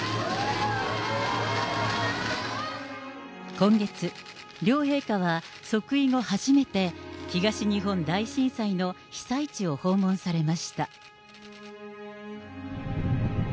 今月、両陛下は即位後初めて、東日本大震災の被災地を訪問されました。